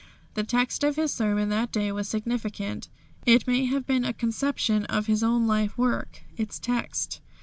The text of his sermon that day was significant. It may have been a conception of his own life work its text.